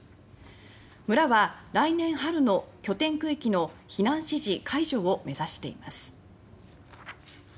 村は、来年春の拠点区域の避難指示解除を目指しています。